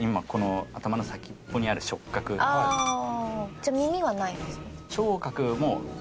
じゃあ耳はないんですか？